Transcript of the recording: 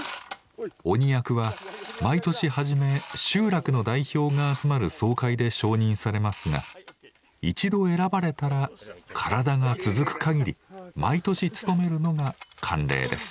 鬼役は毎年初め集落の代表が集まる総会で承認されますが一度選ばれたら体が続くかぎり毎年務めるのが慣例です。